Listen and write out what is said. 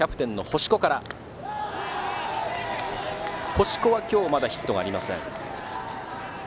星子は今日まだヒットありません。